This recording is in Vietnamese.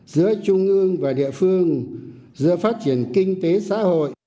giữa trung ương và địa phương giữa phát triển kinh tế xã hội